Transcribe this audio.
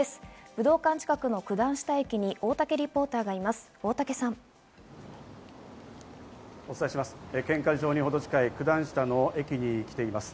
武道館近くの九段下駅に大竹リポーターがいます。